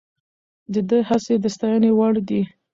د ده هڅې د ستاینې وړ دي.